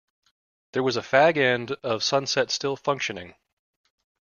There was a fag-end of sunset still functioning.